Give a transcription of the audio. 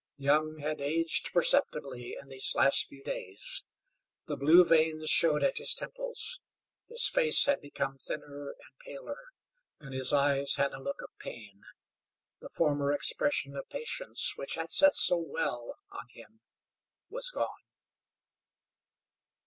Young had aged perceptibly in these last few days. The blue veins showed at his temples; his face had become thinner and paler, his eyes had a look of pain. The former expression of patience, which had sat so well on him, was gone.